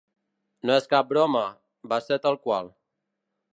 No és cap broma, va ser tal qual.